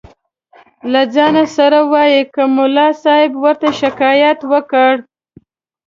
له ځانه سره وایي که ملا صاحب ورته شکایت وکړ.